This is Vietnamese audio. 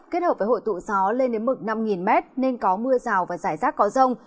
kết hợp với hội tụ gió lên đến mực năm m nên có mưa rào và rải rác có rông